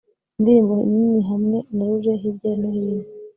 Indirimbo nini hamwe na laurels hirya no hino